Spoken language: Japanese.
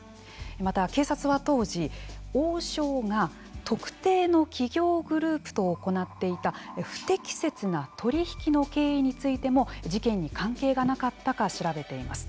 また、警察は当時王将が特定の企業グループと行っていた、不適切な取り引きの経緯についても事件に関係がなかったか調べています。